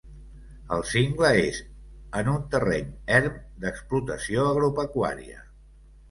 El cingle és en un terreny erm d'explotació agropecuària.